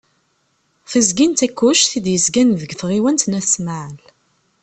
Tiẓgi n Takkuct i d-yezgan deg tɣiwant n At Smaεel.